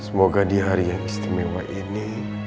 semoga di hari yang istimewa ini